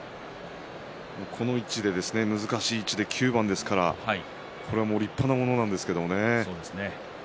この難しい位置で９番ですからこれは立派なものなんですけどね。